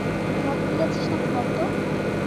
মদ গিলেছিস নাকি বল তো?